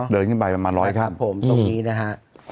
เดินขึ้นไปประมาณร้อยขั้นผมตรงนี้นะฮะ